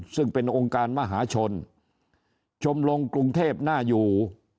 ซึ่งเป็นองค์การมหาชนชมลงกรุงเทพน่าอยู่